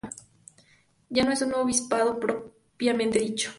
Ya no es un obispado propiamente dicho.